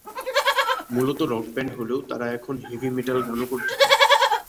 মূলত rock band হলেও তারা এখন হেভি মেটাল গানও করছে।